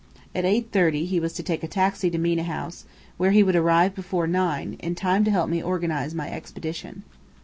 At eight thirty he was to take a taxi to Mena House, where he would arrive before nine, in time to help me organize my expedition.